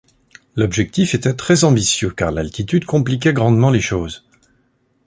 L'objectif était très ambitieux car l'altitude compliquait grandement les choses.